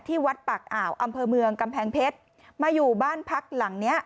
วัดปากอ่าวอำเภอเมืองกำแพงเพชรมาอยู่บ้านพักหลังเนี้ย